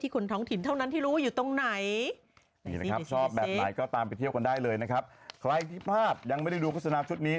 ใครที่ภาพยังไม่ได้ดูคุณสนามชุดนี้